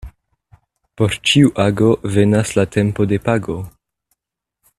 Por ĉiu ago venas la tempo de pago.